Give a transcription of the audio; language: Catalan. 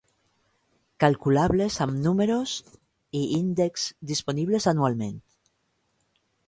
Calculables amb números i índexs disponibles anualment.